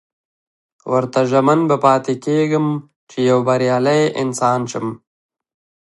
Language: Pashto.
ورته ژمن به پاتې کېږم چې يو بريالی انسان شم.